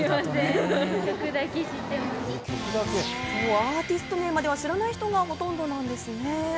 アーティスト名までは知らない人がほとんどなんですね。